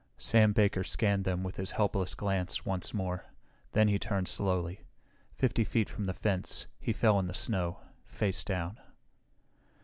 Sam Baker scanned them with his helpless glance once more. Then he turned slowly. Fifty feet from the fence he fell in the snow, face down.